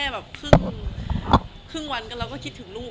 หนึ่งคืนวันก็เราก็คิดถึงลูก